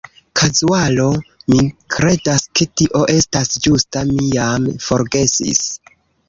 Kazuaro. Mi kredas, ke tio estas ĝusta, mi jam forgesis.